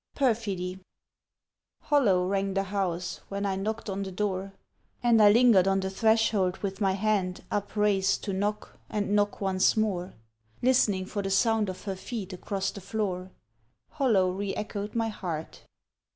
PERFIDY HOLLOW rang the house when I knocked on the door, And I lingered on the threshold with my hand Upraised to knock and knock once more: Listening for the sound of her feet across the floor, Hollow re echoed my heart.